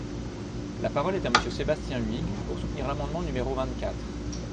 La parole est à Monsieur Sébastien Huyghe, pour soutenir l’amendement numéro vingt-quatre.